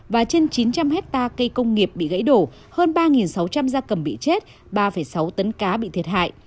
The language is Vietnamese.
và trên chín trăm linh hectare cây công nghiệp bị gãy đổ hơn ba sáu trăm linh gia cầm bị chết ba sáu tấn cá bị thiệt hại